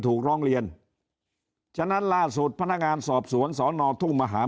ถูกร้องเรียนฉะนั้นล่าสุดพนักงานสอบสวนสอนอทุ่งมหา